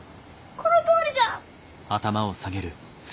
このとおりじゃ！